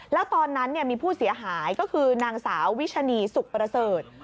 แล้วตอนนั้นมีผู้เสียหายก็คือนางสาววิชนีสุขประเสริฐ